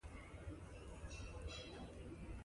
پر پوزې مچ نه پرېږدي